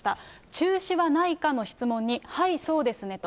中止はないかの質問に、はい、そうですねと。